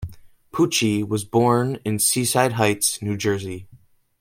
Pucci was born in Seaside Heights, New Jersey.